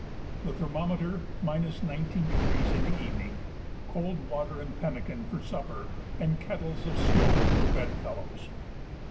The thermometer 19° in the evening; cold water and pemmican for supper, and kettles of snow for bedfellows.